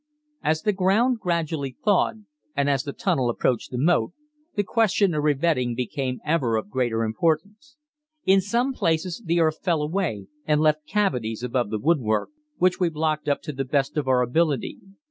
As the ground gradually thawed, and as the tunnel approached the moat, the question of revetting became ever of greater importance. In some places the earth fell away and left cavities above the woodwork, which we blocked up to the best of our ability.